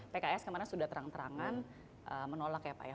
pks kemarin sudah terang terangan menolak ya pak ya